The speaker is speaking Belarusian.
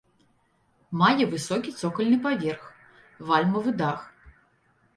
Мае высокі цокальны паверх, вальмавы дах.